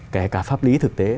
kể cả pháp lý thực tế